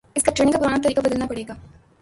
اس کا ٹریننگ کا پرانا طریقہ بدلنا پڑے گا